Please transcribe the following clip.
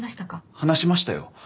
話しましたよ。